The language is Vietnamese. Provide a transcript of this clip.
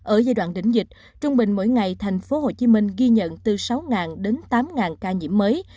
ở giai đoạn đỉnh dịch trung bình mỗi ngày tp hcm ghi nhận từ sáu đến tám ca nhiễm mới